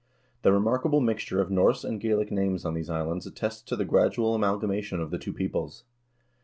The remarkable mixture of Norse and Gaelic names on these islands attests to the gradual amalgamation of the two peoples.